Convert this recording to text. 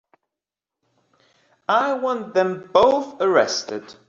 I want them both arrested.